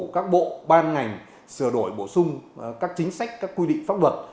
các bộ ban ngành sửa đổi bổ sung các chính sách các quy định pháp luật